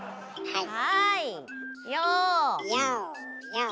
はい。